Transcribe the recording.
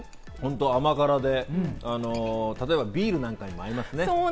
甘辛でビールなんかにも合いますね。